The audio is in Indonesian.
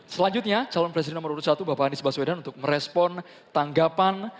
selanjutnya calon presiden nomor urut satu bapak anies baswedan untuk merespon tanggapan